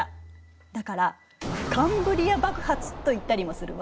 だからカンブリア爆発と言ったりもするわ。